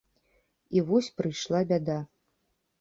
І вось прыйшла бяда.